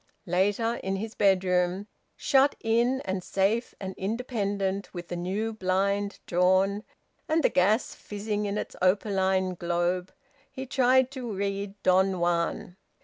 Later, in his bedroom, shut in, and safe and independent, with the new blind drawn, and the gas fizzing in its opaline globe, he tried to read "Don Juan."